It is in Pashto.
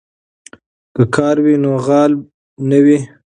که کار وي نو غال نه وي.